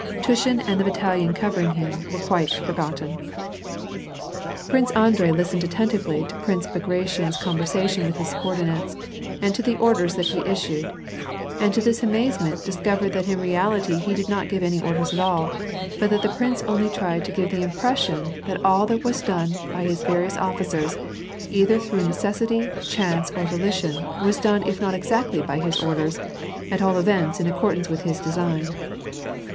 Tushin and the twttalion covering him were quite forgotten. 216 nAR ASD PEACE. Prince Andrei listened attentively to Prince Bagration's conversation with his subordinates, and to the oiders that he issaed, and to his amazement discovered that in reality he did not give any orders at jdl, but that the prince only tried to give the impression that all that was done by his various officers either through necessity, chance, or volition, was done if not exactly by his orders, at all events in accordance with his design.